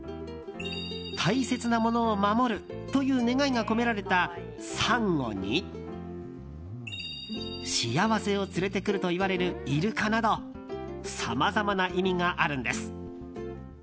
大切なものを守るという願いが込められたサンゴに幸せを連れてくるといわれるイルカなどさまざまな意味があるんです。